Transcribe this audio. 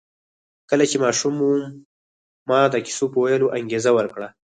کله چې ماشوم و ما د کیسو په ویلو انګېزه ورکړه